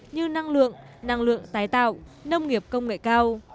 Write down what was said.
như năng lượng năng lượng tái tạo nông nghiệp công nghệ cao